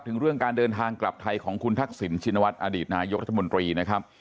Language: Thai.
ถึงเรื่องการเดินทางกลับไทยของคุณทักษิณชินวัฒน์อดีตนายกรัฐมนตรีนะครับ